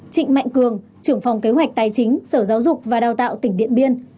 trịnh mạnh cường trưởng phòng kế hoạch tài chính sở giáo dục và đào tạo tỉnh điện biên